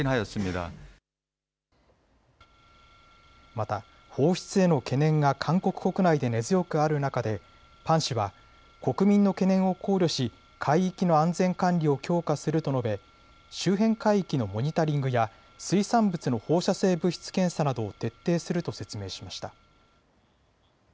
また放出への懸念が韓国国内で根強くある中でパン氏は国民の懸念を考慮し海域の安全管理を強化すると述べ周辺海域のモニタリングや水産物の放射性物質検査などを徹底すると説明しました。